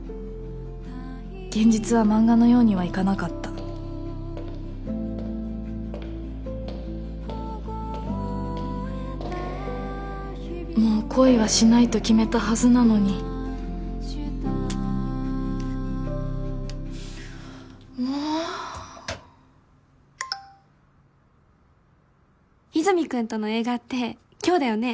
現実は漫画のようにはいかなかったもう恋はしないと決めたはずなのにもう「和泉君との映画って今日だよね？」